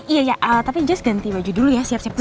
iya ya tapi just ganti baju dulu ya siap siap dulu